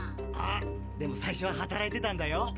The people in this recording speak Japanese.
あっでも最初は働いてたんだよ。